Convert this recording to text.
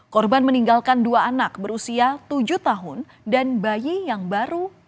korban meninggalkan dua anak berusia tujuh tahun dan bayi yang baru